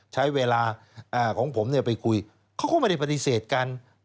ใช้เวลาของผมไปคุยเขาก็ไม่ได้ปฏิเสธกัน